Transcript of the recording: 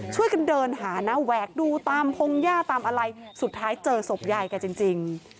ช่วยกันเดินหานะแหวกดูตามพงหญ้าตามอะไรสุดท้ายเจอศพยายแกจริง